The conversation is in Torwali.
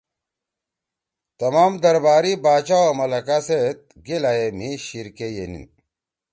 تمام درباری باچا او ملکا سیت گیلا ئے مھی شیِر کے یِنیِن۔